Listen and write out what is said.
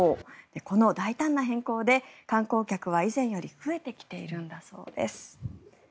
この大胆な変更で観光客は以前より増えてきているんだそうです。